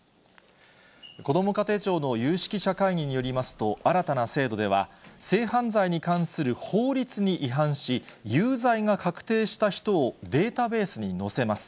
こども家庭庁の有識者会議によりますと、新たな制度では、性犯罪に関する法律に違反し、有罪が確定した人をデータベースに載せます。